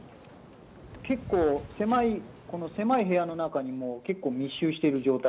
結構、狭い部屋の中に結構密集している状態。